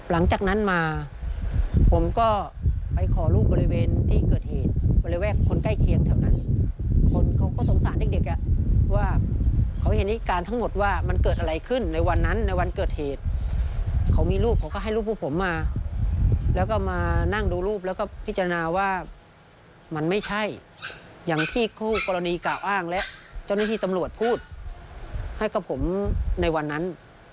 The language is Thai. และเจ้าหน้าที่ตำรวจพูดให้กับผมในวันนั้น